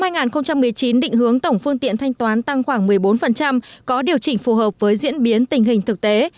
năm hai nghìn một mươi chín định hướng tổng phương tiện thanh toán tăng khoảng một mươi bốn có điều chỉnh phù hợp với diễn biến tình hình thực tế